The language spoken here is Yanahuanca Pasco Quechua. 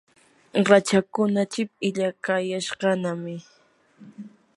rachakkuna chip illaqayashqanami.